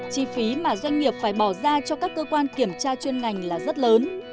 chi phí mà doanh nghiệp phải bỏ ra cho các cơ quan kiểm tra chuyên ngành là rất lớn